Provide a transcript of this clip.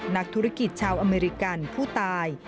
นักธุรกิจชาวอเมริกันผู้ตาย